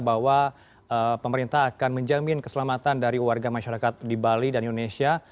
bahwa pemerintah akan menjamin keselamatan dari warga masyarakat di bali dan indonesia